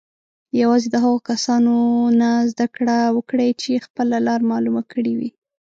یوازې د هغو کسانو نه زده کړه وکړئ چې خپله لاره معلومه کړې وي.